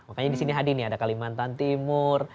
makanya di sini hadir nih ada kalimantan timur